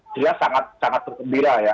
dia sangat berkembira ya